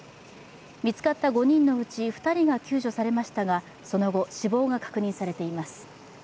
見つかった５人のうち２人が救助されましたが、その後、死亡が確認されています。